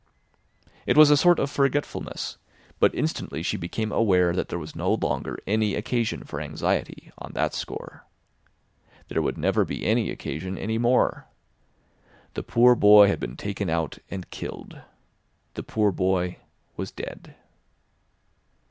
It was a sort of forgetfulness; but instantly she became aware that there was no longer any occasion for anxiety on that score. There would never be any occasion any more. The poor boy had been taken out and killed. The poor boy was dead.